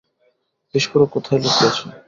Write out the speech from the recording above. বিস্ফোরক কোথায় লুকিয়েছ?